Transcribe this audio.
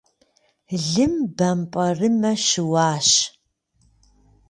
Лым бампӏэрымэ щыуащ.